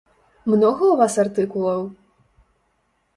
Многа ў вас артыкулаў?